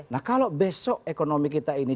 nah kalau besok ekonomi kita ini